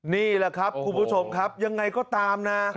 นี่แหละครับคุณผู้ชมครับยังไงก็ตามนะ